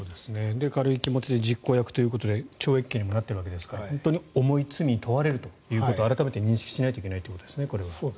軽い気持ちで実行役ということで懲役刑にもなっているわけですから本当に重い罪に問われるということを改めて認識しないといけないですね。